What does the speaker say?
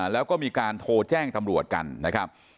แล้วก็มีการโทรแจ้งตำรวจกันนะครับ